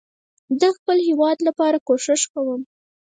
ده خپل هيواد لپاره کوښښ کوم